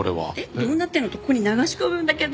「どうなってんの？」ってここに流し込むんだけど。